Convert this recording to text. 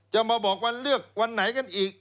จะมาบอกวันเลือกวันไหนกันอีก